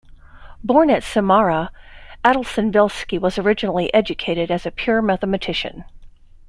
Born at Samara, Adelson-Velsky was originally educated as a pure mathematician.